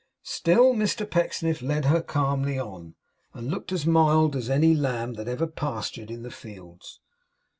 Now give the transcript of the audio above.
Still Mr Pecksniff led her calmly on, and looked as mild as any lamb that ever pastured in the fields.